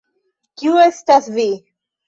Kiu estas vi?